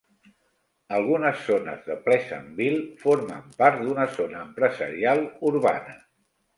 Algunes zones de Pleasantville formen part d'una Zona Empresarial Urbana.